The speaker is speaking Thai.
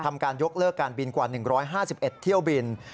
การยกเลิกการบินกว่า๑๕๑เที่ยวบิน